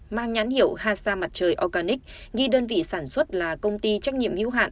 mang nhán hiệu hà sa mặt trời organic ghi đơn vị sản xuất là công ty trách nhiệm hiệu hạn